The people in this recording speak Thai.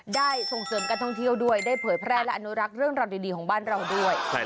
ส่งเสริมการท่องเที่ยวด้วยได้เผยแพร่และอนุรักษ์เรื่องราวดีของบ้านเราด้วย